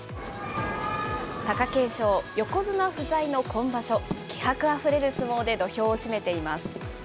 貴景勝、横綱不在の今場所、気迫あふれる相撲で土俵を締めています。